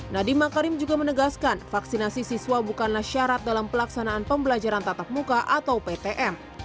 nadiem makarim juga menegaskan vaksinasi siswa bukanlah syarat dalam pelaksanaan pembelajaran tatap muka atau ptm